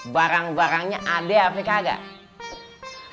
barang barangnya ada apa kagak